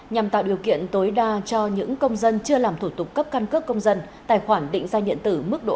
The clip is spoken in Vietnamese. nhằm tạo điều kiện tối đa cho những công dân chưa làm thủ tục cấp căn cước công dân tài khoản định gia nhận tử mức độ hai